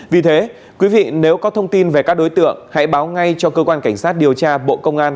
vì thế quý vị nếu có thông tin về các đối tượng hãy báo ngay cho cơ quan cảnh sát điều tra bộ công an